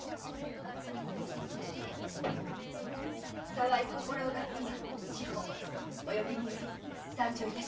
沢井小五郎の妻・志保お呼びにより参上いたしました。